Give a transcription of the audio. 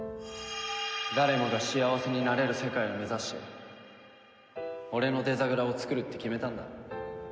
誰もが幸せになれる世界を目指して俺のデザグラをつくるって決めたんだ。